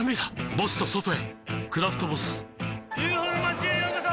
ボスと外へ「クラフトボス」ＵＦＯの町へようこそ！